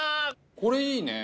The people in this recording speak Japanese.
これいいね。